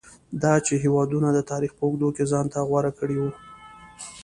دا چې هېوادونو د تاریخ په اوږدو کې ځان ته غوره کړي وو.